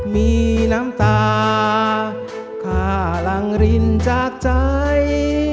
มีน้ำตาข้าหลังรินจากใจ